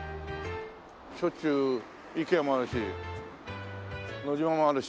しょっちゅうイケアもあるしノジマもあるし。